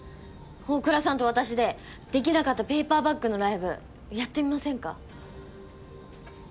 大倉さんと私で出来なかったペイパーバックのライブやってみませんか？